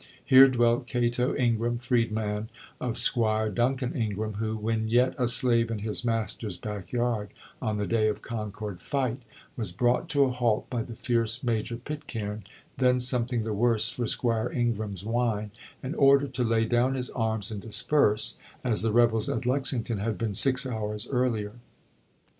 Here dwelt Cato Ingraham, freedman of 'Squire Duncan Ingraham, who, when yet a slave in his master's backyard, on the day of Concord fight, was brought to a halt by the fierce Major Pitcairn, then something the worse for 'Squire Ingraham's wine, and ordered to "lay down his arms and disperse," as the rebels at Lexington had been six hours earlier.